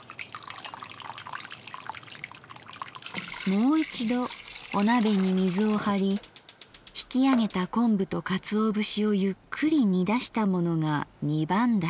「もう一度お鍋に水をはり引きあげた昆布と鰹節をゆっくり煮出したものが二番出し──」。